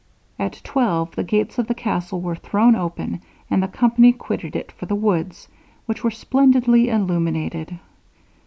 At twelve the gates of the castle were thrown open, and the company quitted it for the woods, which were splendidly illuminated.